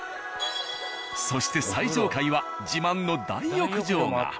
そして最上階は自慢の大浴場が。